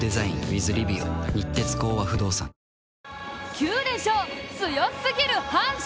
９連勝、強すぎる阪神！